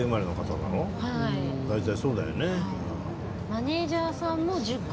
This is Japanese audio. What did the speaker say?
大体そうだよね。